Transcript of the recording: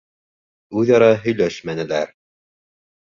Үҙ-ара һөйләшмәнеләр.